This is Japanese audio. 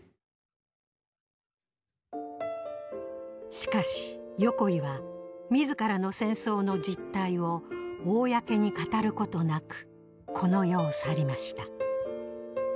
しかし横井は自らの戦争の実態を公に語ることなくこの世を去りました。